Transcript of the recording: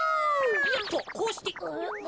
よっとこうして。